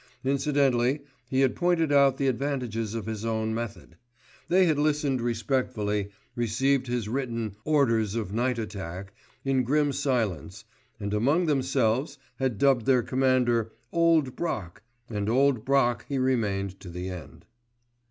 Incidentally he had pointed out the advantages of his own method. They had listened respectfully, received his written "Orders of Night Attack" in grim silence, and among themselves had dubbed their commander "Old Brock"; and "Old Brock" he remained to the end.